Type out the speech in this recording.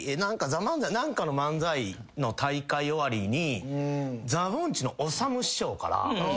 何かの漫才の大会終わりにザ・ぼんちのおさむ師匠から。